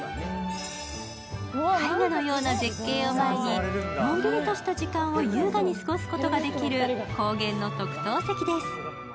絵画のような絶景を前にのんびりとした時間を優雅に過ごせる高原の特等席です。